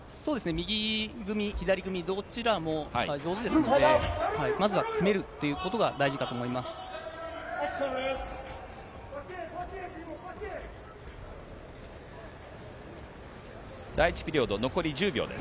右組み、左組み、どちらも上手ですので、まずは組めることが大事かと思います。